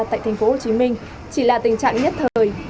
tại tp hcm chỉ là tình trạng nhất thời